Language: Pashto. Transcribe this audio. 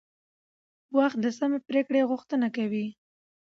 وخت د سمې پریکړې غوښتنه کوي